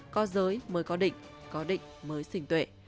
có giới mới có định có định mới sinh tuệ